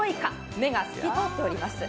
目が透き通っております。